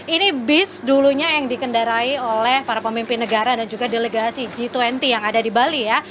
ini bis dulunya yang dikendarai oleh para pemimpin negara dan juga delegasi g dua puluh yang ada di bali ya